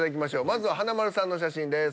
まずは華丸さんの写真です。